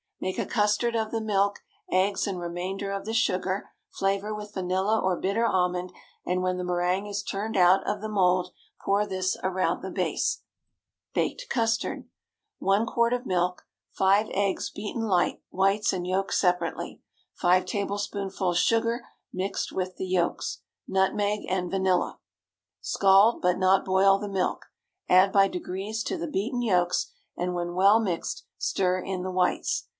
Make a custard of the milk, eggs, and remainder of the sugar, flavor with vanilla or bitter almond, and when the méringue is turned out of the mould, pour this around the base. BAKED CUSTARD. ✠ 1 quart of milk. 5 eggs, beaten light—whites and yolks separately. 5 tablespoonfuls sugar, mixed with the yolks. Nutmeg and vanilla. Scald but not boil the milk; add by degrees to the beaten yolks, and when well mixed, stir in the whites.